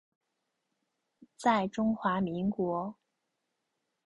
在中华民国。